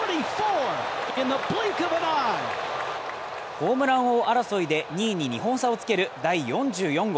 ホームラン王争いで２位に２本差をつける第４４号。